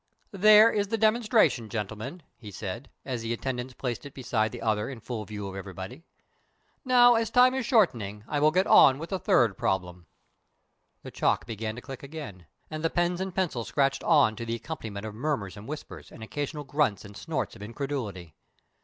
"There is the demonstration, gentlemen," he said, as the attendants placed it beside the other in full view of everybody. "Now, as time is shortening, I will get on with the third problem." The chalk began to click again, and the pens and pencils scratched on to the accompaniment of murmurs and whispers and occasional grunts and snorts of incredulity.